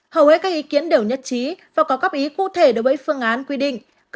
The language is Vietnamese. hầu hết các ý kiến đều nhất trí và có góp ý cụ thể đối với phương án quy định